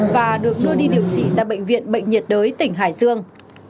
và được đưa đi điều trị tại bệnh viện bệnh nhiệt đới tỉnh hải dương